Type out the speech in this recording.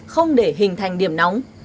không để hình thành điểm nóng